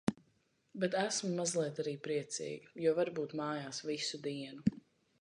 Bet esmu mazliet arī priecīga. Jo varu būt mājās visu dienu.